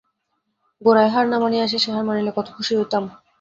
গোড়ায় হার না মানিয়া শেষে হার মানিলে কত খুশি হইতাম।